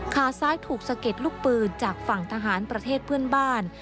ขาซ้ายถูกสะเก็ดลูกปืนจากฝั่งทหารประเทศเพื่อนบ้าน